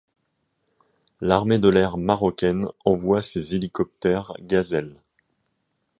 L'armée de l'air marocaine envoie ses hélicoptères Gazelle.